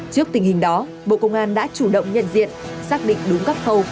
trước tình hình đó bộ công an đã chủ động nhận diện xác định đúng các khâu